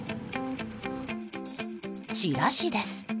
チラシです。